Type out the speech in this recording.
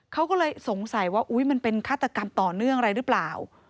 เขาก็เลยสงสัยว่าอุ๊ยมันเป็นฆาตกรรมต่อเนื่องอะไรหรือเปล่า